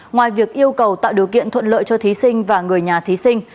ngoài việc yêu cầu tạo điều kiện thuận lợi cho thí sinh và người nhà thí sinh